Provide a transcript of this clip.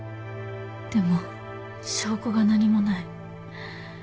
でも証拠が何もない。